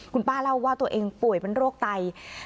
คุณป้าเล่าว่าตัวเองป่วยเป็นโรคไต